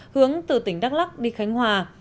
hướng từ tỉnh đắk lắc đi khánh hòa